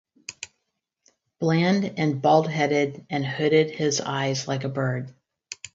Bland and bald-headed and hooded his eyes like a bird.